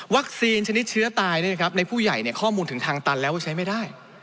วัคซีนชนิดเชื้อตายเนี่ยนะครับในผู้ใหญ่เนี่ยข้อมูลถึงทางตันแล้วว่าใช้ไม่ได้